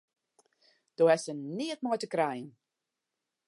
Do hast der neat mei te krijen!